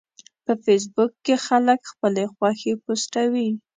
په فېسبوک کې خلک خپلې خوښې پوسټوي